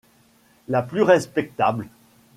La plus respectable